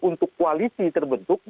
untuk koalisi terbentuk